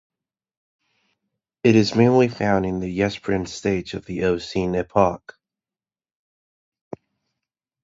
It is mainly found in the Ypresian stage of the Eocene epoch.